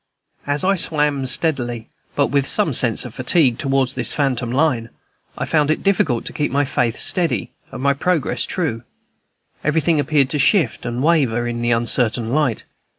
As I swam steadily, but with some sense of fatigue, towards this phantom line, I found it difficult to keep my faith steady and my progress true; everything appeared to shift and waver, in the uncertain light.